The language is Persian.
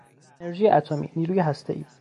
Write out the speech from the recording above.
انرژی اتمی، نیروی هستهای